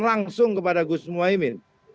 langsung kepada gus muhyiddin